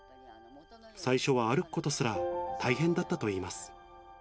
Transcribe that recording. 最初は歩くことすら大変だったといいます。